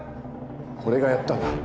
俺がやったんだ。